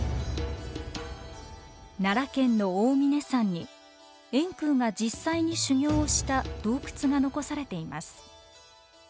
奈良県の大峰山に円空が実際に修行をした洞窟が残されています。